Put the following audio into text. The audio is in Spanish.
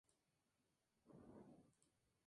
Fundó la comuna de Los Sauces.